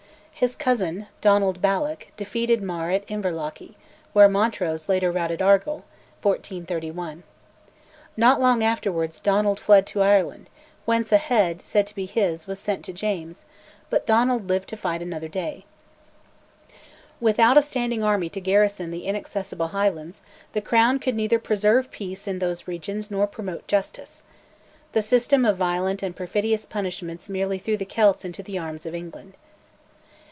His cousin, Donald Balloch, defeated Mar at Inverlochy (where Montrose later routed Argyll) (1431). Not long afterwards Donald fled to Ireland, whence a head, said to be his, was sent to James, but Donald lived to fight another day. Without a standing army to garrison the inaccessible Highlands, the Crown could neither preserve peace in those regions nor promote justice. The system of violent and perfidious punishments merely threw the Celts into the arms of England.